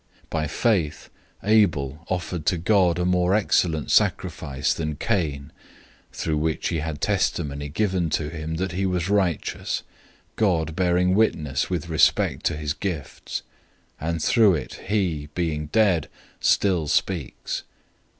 011:004 By faith, Abel offered to God a more excellent sacrifice than Cain, through which he had testimony given to him that he was righteous, God testifying with respect to his gifts; and through it he, being dead, still speaks.